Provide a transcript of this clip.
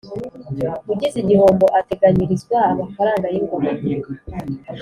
ugize igihombo ateganyirizwa amafaranga y ingoboka